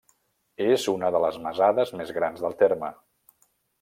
És una de les masades més grans del terme.